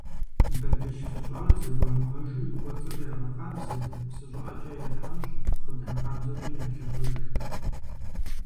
Бабыщ фыщӏар зэгуамыгъэжу и кӏуэцӏыр ягъэкъабзэ, псы щӀыӀэкӀэ ятхьэщӀ, хъыдан къабзэкӀэ ялъэщӀыж.